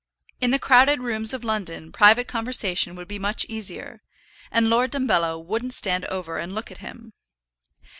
In the crowded rooms of London private conversation would be much easier, and Lord Dumbello wouldn't stand over and look at him.